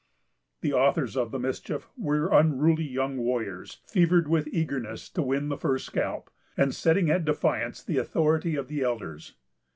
The authors of the mischief were unruly young warriors, fevered with eagerness to win the first scalp, and setting at defiance the authority of their elders.